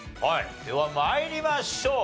では参りましょう。